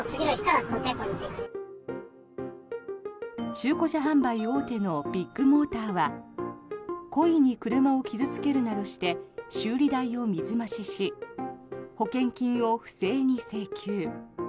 中古車販売大手のビッグモーターは故意に車を傷付けるなどして修理代を水増しし保険金を不正に請求。